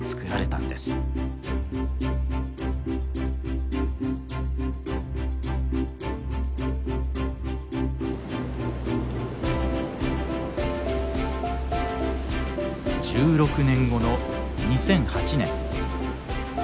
１６年後の２００８年。